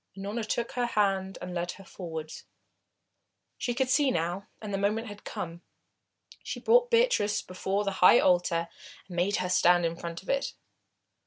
Unorna took her hand and led her forwards. She could see now, and the moment had come. She brought Beatrice before the high altar and made her stand in front of it.